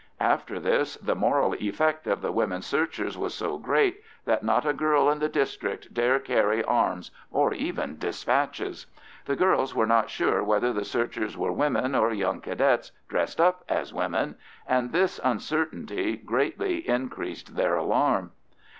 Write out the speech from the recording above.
After this the moral effect of the women searchers was so great that not a girl in the district dare carry arms or even despatches. The girls were not sure whether the searchers were women or young Cadets dressed up as women, and this uncertainty greatly increased their alarm.